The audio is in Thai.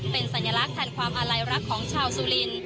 เป็นสัญลักษณ์แทนความอาลัยรักของชาวสุริน